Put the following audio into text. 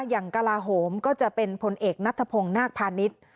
อย่างกราโหมก็จะเป็นผลเอกนัทพงศ์นากพานิษฐ์